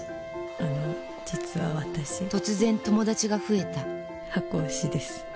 あの実は私突然友達が増えた箱推しです。